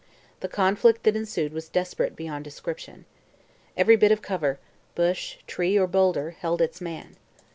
The conflict that ensued was desperate beyond description. Every bit of cover bush, tree, or boulder held its man.